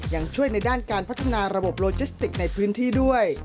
ยังช่วยในด้านการพัฒนาระบบโลจิสติกในพื้นที่ด้วย